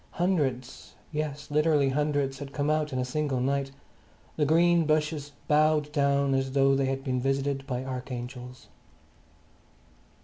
Hundreds, yes, literally hundreds, had come out in a single night; the green bushes bowed down as though they had been visited by archangels.